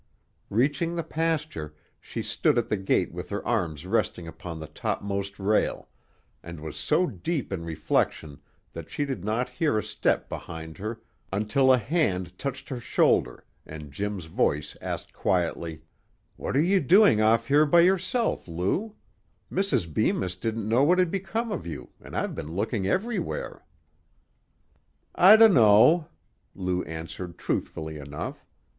Reaching the pasture, she stood at the gate with her arms resting upon the topmost rail, and was so deep in reflection that she did not hear a step behind her until a hand touched her shoulder, and Jim's voice asked quietly: "What are you doing off here by yourself, Lou? Mrs. Bemis didn't know what had become of you, and I've been looking everywhere." "I dunno," Lou answered truthfully enough.